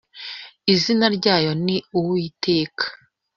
izina ryayo ni Uwiteka.